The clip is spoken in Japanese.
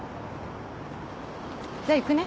じゃ行くね。